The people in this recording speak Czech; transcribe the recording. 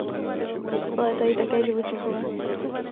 Létají také živočichové.